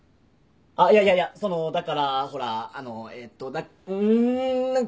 あっいやいやいやそのだからほらあのえっとん何かほら。